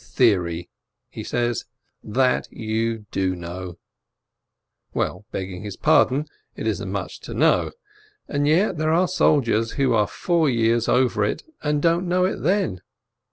"Theory," he says, "that you do know !" Well, begging his pardon, it isn't much to know. And yet there are soldiers who are four years over it, and don't know it then.